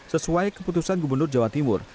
sesuai keputusan gubernur jawa timur